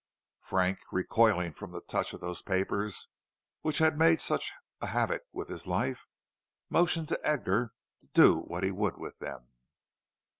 Frank, recoiling from the touch of those papers which had made such a havoc with his life, motioned to Edgar to do what he would with them.